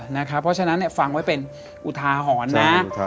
เพราะฉะนั้นฟังไว้เป็นอุทาหรณ์นะ